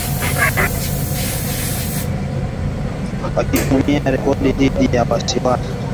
Wakitumia roketi dhidi ya waasi hao wa M ishirini na tatu na